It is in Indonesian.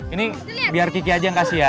ini biar kiki aja yang kasih ya